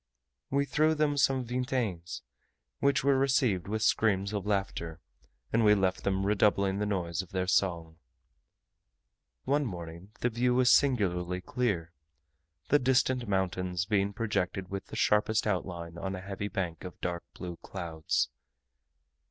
We threw them some vintems, which were received with screams of laughter, and we left them redoubling the noise of their song. One morning the view was singularly clear; the distant mountains being projected with the sharpest outline on a heavy bank of dark blue clouds.